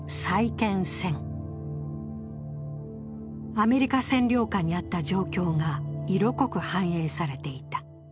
アメリカ時代の占領下にあった状況が色濃く反映されていた。